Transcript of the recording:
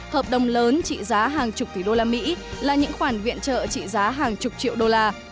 hợp đồng lớn trị giá hàng chục tỷ đô la mỹ là những khoản viện trợ trị giá hàng chục triệu đô la